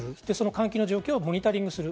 換気の状況をモニタリングする。